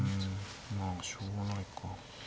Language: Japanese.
まあしょうがないか。